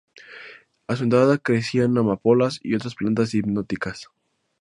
A su entrada crecían amapolas y otras plantas hipnóticas.